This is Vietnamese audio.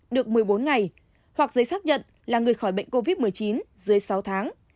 được một mươi bốn ngày hoặc giấy xác nhận là người khỏi bệnh covid một mươi chín dưới sáu tháng